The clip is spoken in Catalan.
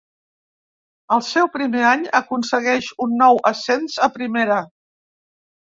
Al seu primer any, aconsegueix un nou ascens a Primera.